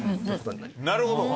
なるほど。